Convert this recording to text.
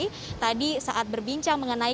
jadi tadi saat berbincang mengenai